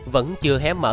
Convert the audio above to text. vẫn chưa hé mở